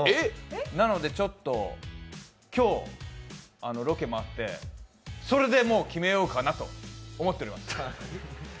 なのでちょっと今日、ロケ回って、それで決めようかなと思っております！